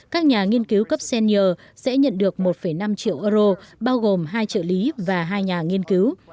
các nhà nghiên cứu cấp cener sẽ nhận được một năm triệu euro bao gồm hai trợ lý và hai nhà nghiên cứu